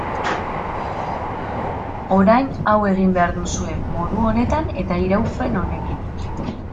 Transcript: Orain hau egin behar duzue, modu honetan eta iraupen honekin.